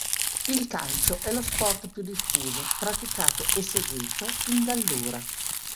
Il calcio è lo sport più diffuso, praticato e seguito in Gallura.